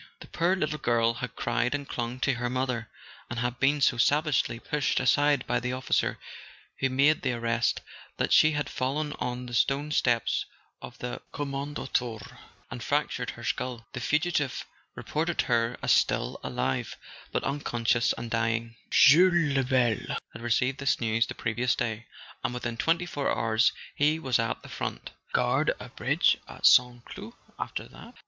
The poor little girl had cried and clung to her mother, and had been so savagely pushed aside by the officer who made the arrest that she had fallen on the stone steps of the " Kommandantur " and fractured her skull. The fugitive reported her as still alive, but unconscious, and dying. Jules Lebel had received this news the previous day; and within twenty four hours he was at the front. Guard a bridge at St. Cloud after that?